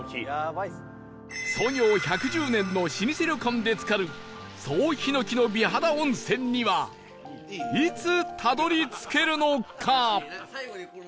創業１１０年の老舗旅館で漬かる総檜の美肌温泉にはいつたどり着けるのか？